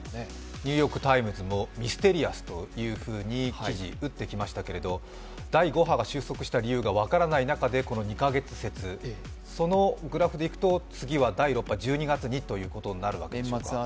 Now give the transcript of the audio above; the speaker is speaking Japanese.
「ニューヨーク・タイムズ」もミステリアスと記事打ってきましたけど第５波が収束した理由が分からない中で、この２カ月説、そのグラフでいくと第６波、１２月ということに？